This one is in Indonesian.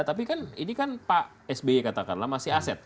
tapi kan ini kan pak sby katakanlah masih aset